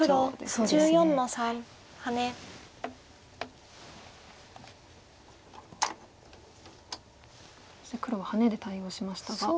そして黒はハネで対応しましたが。